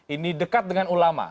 ini dekat dengan ulama